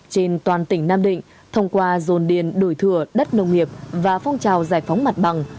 trên toàn tỉnh nam định thông qua dồn điền đổi thừa đất nông nghiệp và phong trào giải phóng mặt bằng